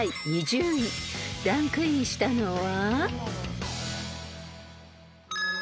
［ランクインしたのは］